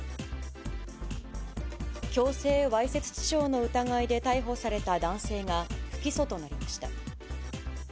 強制わいせつ致傷の疑いで逮捕された男性が、不起訴となりました。